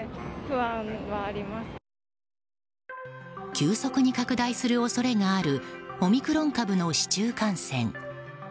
急速に拡大する恐れがあるオミクロン株の市中感染。